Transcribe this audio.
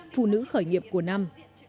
phụ nữ khởi nghiệp của năm